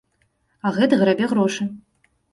А гэты грабе грошы.